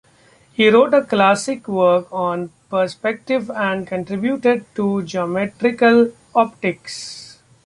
He wrote a classic work on perspective and contributed to geometrical optics.